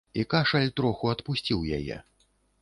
І кашаль троху адпусціў яе.